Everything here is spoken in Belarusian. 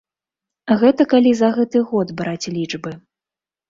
Гэта калі за гэты год браць лічбы.